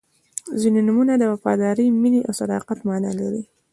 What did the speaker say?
• ځینې نومونه د وفادارۍ، مینې او صداقت معنا لري.